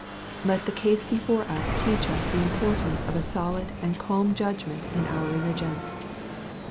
Let the case before us teach us the importance of a solid and calm judgment in our religion.